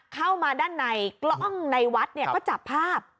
เข้ามาด้านในกล้องในวัดเนี่ยก็จับภาพ